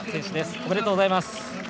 ありがとうございます。